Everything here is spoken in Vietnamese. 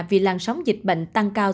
vì làn sóng dịch bệnh tăng cao